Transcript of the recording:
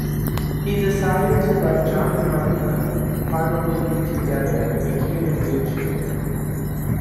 He decided to let John and Marlena finally be together and became engaged again.